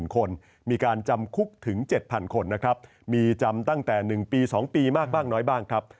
คนมีการจำคุกถึง๗๐๐คนนะครับมีจำตั้งแต่๑ปี๒ปีมากบ้างน้อยบ้างครับ